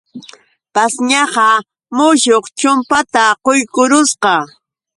Pashñaqa muchuq chumpata quykurusqa.